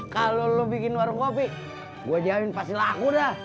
kalau lo bikin warung kopi gue jamin pasti laku dah